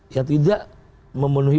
yang tidak memenuhi